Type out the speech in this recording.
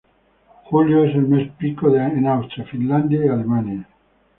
Julio es el mes pico en Austria, Finlandia y Alemania.